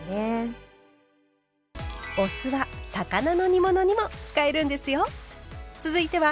お酢は魚の煮物にも使えるんですよ。